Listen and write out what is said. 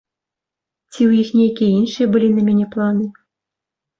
Ці ў іх нейкія іншыя былі на мяне планы.